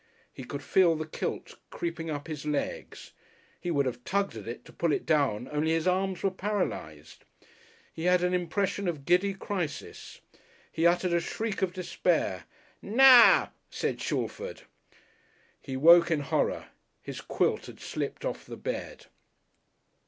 He could feel the kilt creeping up his legs. He would have tugged at it to pull it down only his arms were paralysed. He had an impression of giddy crisis. He uttered a shriek of despair. "Now!" said Shalford. He woke in horror, his quilt had slipped off the bed.